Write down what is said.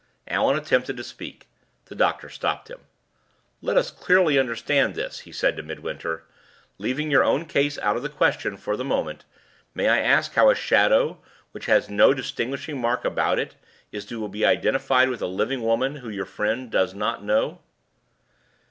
Allan attempted to speak. The doctor stopped him. "Let us clearly understand this," he said to Midwinter. "Leaving your own case out of the question for the moment, may I ask how a shadow, which has no distinguishing mark about it, is to be identified with a living woman whom your friend doesn't know?"